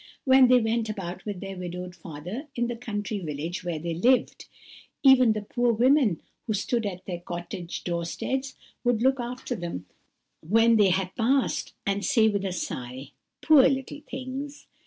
When they went about with their widowed father in the country village where 'they lived, even the poor women who stood at their cottage door steads, would look after them when they had passed, and say with a sigh:— "'Poor little things!